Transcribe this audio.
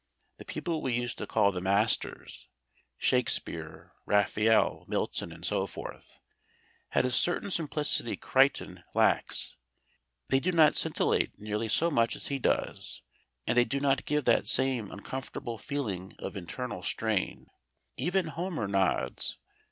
The people we used to call the masters Shakespeare, Raphael, Milton, and so forth had a certain simplicity Crichton lacks. They do not scintillate nearly so much as he does, and they do not give that same uncomfortable feeling of internal strain. Even Homer nods.